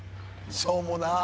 しょうもなっ。